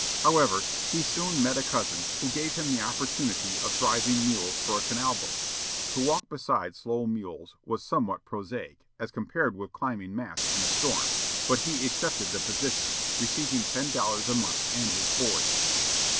However, he soon met a cousin, who gave him the opportunity of driving mules for a canal boat. To walk beside slow mules was somewhat prosaic, as compared with climbing masts in a storm, but he accepted the position, receiving ten dollars a month and his board.